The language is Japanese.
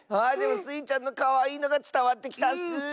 あでもスイちゃんのかわいいのがつたわってきたッス！